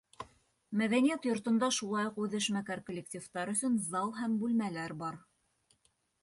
Мәҙәниәт йортонда шулай уҡ үҙешмәкәр коллективтар өсөн зал һәм бүлмәләр бар.